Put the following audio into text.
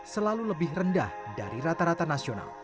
selalu lebih rendah dari rata rata nasional